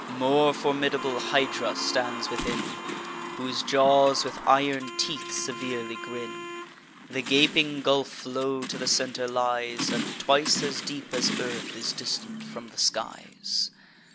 More formidable Hydra stands within, Whose jaws with iron teeth severely grin. The gaping gulf low to the centre lies, And twice as deep as earth is distant from the skies.